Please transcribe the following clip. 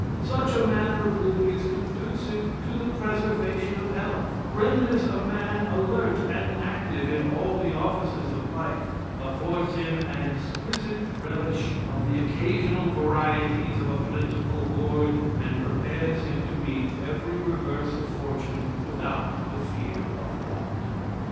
Such a manner of living is conducive to the preservation of health: renders a man alert and active in all the offices of life; affords him an exquisite relish of the occasional varieties of a plentiful board, and prepares him to meet every reverse of fortune without the fear of want.